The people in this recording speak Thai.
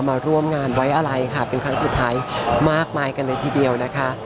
มาร่วมงานไว้อะไรค่ะเป็นครั้งสุดท้ายมากมายกันเลยทีเดียวนะคะ